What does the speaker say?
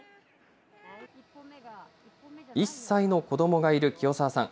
１歳の子どもがいる清澤さん。